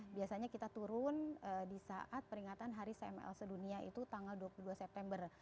biasanya kita turun di saat peringatan hari cml sedunia itu tanggal dua puluh dua september